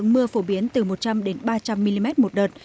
mưa phổ biến từ một trăm linh ba trăm linh mm một đợt